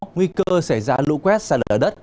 nguy cơ xảy ra lũ quét xa lở đất